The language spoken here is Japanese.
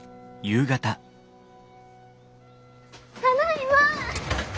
ただいま。